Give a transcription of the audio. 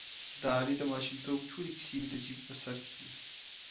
د علي د ماشومتوب ټولې کیسې مې د ژبې په سر کې دي.